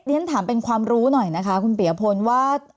ฉันถามเป็นความรู้หน่อยนะคะคุณเปียพลว่า